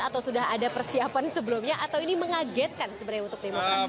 atau sudah ada persiapan sebelumnya atau ini mengagetkan sebenarnya untuk demokrasi